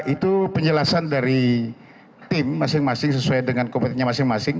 itu penjelasan dari tim masing masing sesuai dengan kompetensinya masing masing